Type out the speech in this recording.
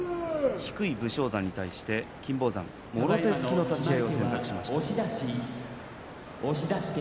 低い武将山に対して金峰山もろ手突きの立ち合いを選択しました。